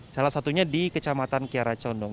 salah satunya di kecamatan kiara condong